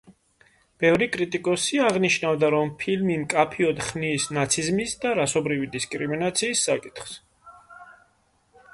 ბევრი კრიტიკოსი აღნიშნავდა, რომ ფილმი მკაფიოდ ხნის ნაციზმის და რასობრივი დისკრიმინაციის საკითხს.